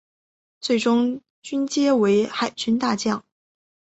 最终军阶为海军大将。